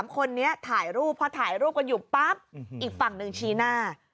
๓คนนี้ถ่ายรูปพอถ่ายรูปกันอยู่ปั๊บอีกฝั่งหนึ่งชี้หน้า